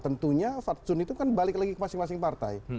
tentunya fatsun itu kan balik lagi ke masing masing partai